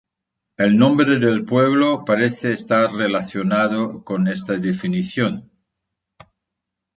El nombre del pueblo parece estar relacionado con esta definición.